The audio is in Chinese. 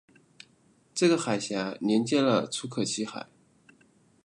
这个海峡连接了楚科奇海。